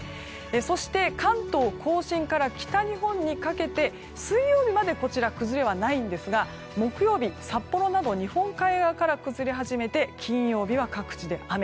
そして関東・甲信から北日本にかけて水曜日までこちらは崩れはないんですが木曜日、札幌など日本海側から崩れ始めて、金曜日は各地で雨。